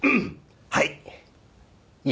はい。